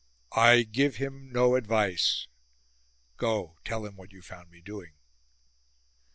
I give him no advice. Go, tell him what you found me doing."